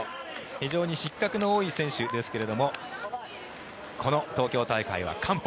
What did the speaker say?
非常に失格の多い選手ですがこの東京大会は完歩。